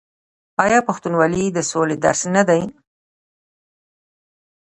آیا پښتونولي د سولې درس نه دی؟